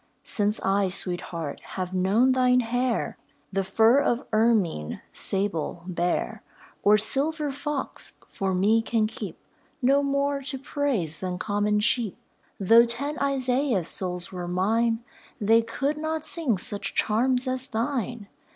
Since I, Sweet Heart, have known thine hair, The fur of ermine, sable, bear, Or silver fox, for me can keep No more to praise than common sheep. Though ten Isaiahs' souls were mine, They could not sing such charms as thine.